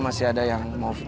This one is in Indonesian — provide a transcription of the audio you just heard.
masih ada yang mau